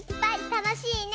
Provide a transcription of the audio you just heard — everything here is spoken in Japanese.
たのしいね！